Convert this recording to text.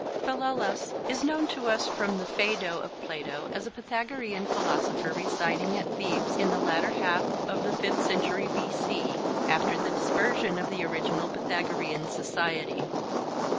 Philolaus is known to us from the Phaedo of Plato as a Pythagorean philosopher residing at Thebes in the latter half of the fifth century B.C., after the dispersion of the original Pythagorean society.